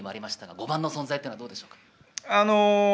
５番の存在はどうでしょう？